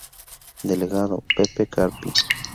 Delegado: Pepe Carpi.